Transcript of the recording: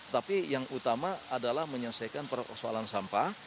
tapi yang utama adalah menyelesaikan persoalan sampah